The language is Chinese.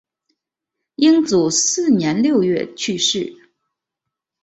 英祖四年六月去世。